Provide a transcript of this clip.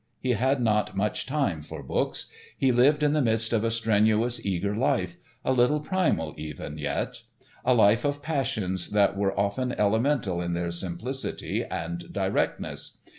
He had not much time for books. He lived in the midst of a strenuous, eager life, a little primal even yet; a life of passions that were often elemental in their simplicity and directness.